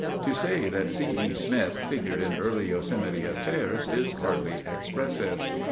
To say that C. E. Smith figured in early Yosemite affairs is hardly expressive.